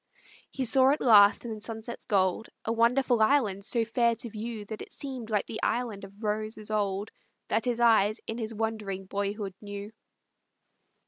He saw at last in the sunset's gold, A wonderful island so fair to view That it seemed like the Island of Roses old That his eyes in his wondering boyhood knew.